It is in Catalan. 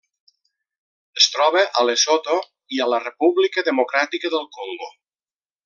Es troba a Lesotho i a la República Democràtica del Congo.